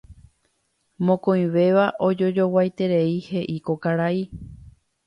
Mokõivéva ojojoguaiterei heʼi ko karai.